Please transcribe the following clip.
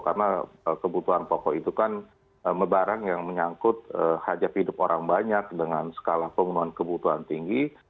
karena kebutuhan pokok itu kan mebarang yang menyangkut hajap hidup orang banyak dengan skala pengunuhan kebutuhan tinggi